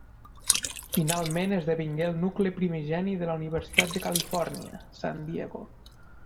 Finalment esdevingué el nucli primigeni de la Universitat de Califòrnia, San Diego.